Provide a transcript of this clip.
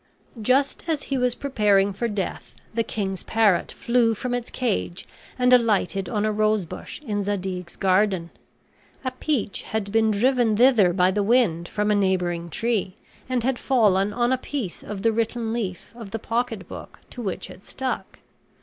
Just as he was preparing for death the king's parrot flew from its cage and alighted on a rosebush in Zadig's garden. A peach had been driven thither by the wind from a neighboring tree, and had fallen on a piece of the written leaf of the pocketbook to which it stuck.